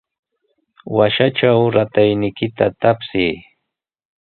Washatraw ratayniykita tapsiy.